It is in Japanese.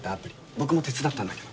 僕も手伝ったんだけど。